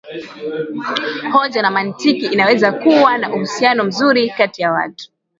hoja na mantiki inaweza kuwa na uhusiano mzuri kati ya watu